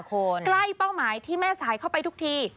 ใกล้เป้าหมายที่แม่สายเข้าไปทุกที